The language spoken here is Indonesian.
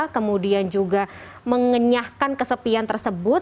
kemudian juga mengenyahkan kesepian tersebut